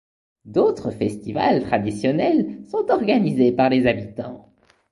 D'autres festivals traditionnels sont organisés par les habitants.